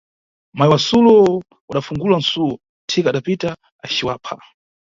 Mayi wasulo wadafungula suwo, thika adapita aciwapha.